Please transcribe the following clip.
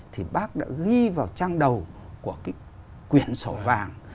thì bác đã ghi vào trang đầu của cái quyển sổ vàng